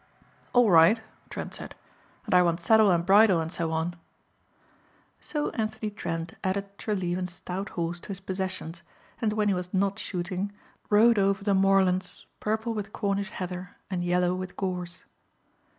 "All right," Trent said, "and I want saddle and bridle and so on." So Anthony Trent added Treleaven's stout horse to his possessions and when he was not shooting, rode over the moorlands purple with Cornish heather and yellow with gorse.